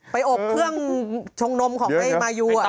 อบเครื่องชงนมของไอ้มายู